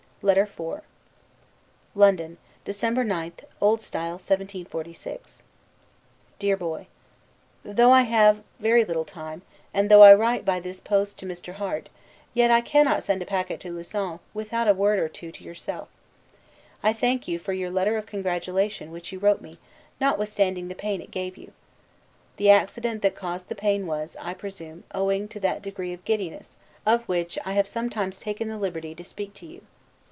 LETTER IV LONDON, December 9, O. S. 1746. DEAR BOY: Though I have very little time, and though I write by this post to Mr. Harte, yet I cannot send a packet to Lausanne without a word or two to yourself. I thank you for your letter of congratulation which you wrote me, notwithstanding the pain it gave you. The accident that caused the pain was, I presume, owing to that degree of giddiness, of which I have sometimes taken the liberty to speak to you.